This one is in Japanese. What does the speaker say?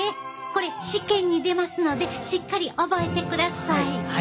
これ試験に出ますのでしっかり覚えてください。